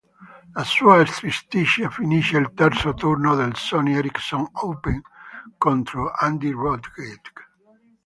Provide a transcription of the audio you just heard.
La sua striscia finisce al terzo turno del Sony Ericsson Open contro Andy Roddick.